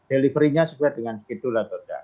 delivery nya sesuai dengan schedule atau enggak